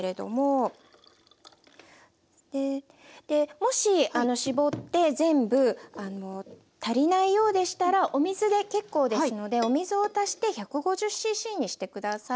もし搾って全部足りないようでしたらお水で結構ですのでお水を足して１５０ｃｃにして下さい。